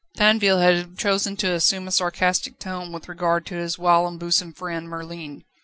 Tinville had chosen to assume a sarcastic tone with regard to his whilom bosom friend, Merlin.